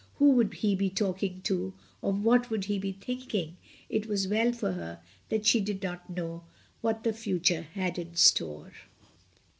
Who would he be talking to? Of what would he be thinking? It was well for her that she did not know what the future had in store.